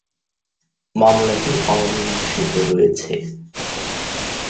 মামলাটি অমীমাংসিত রয়েছে।